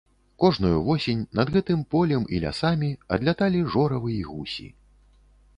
Кожную восень над гэтым полем і лясамі адляталі жоравы і гусі.